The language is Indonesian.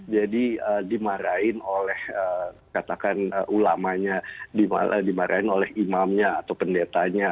jadi dimarahin oleh katakan ulamanya dimarahin oleh imamnya atau pendetanya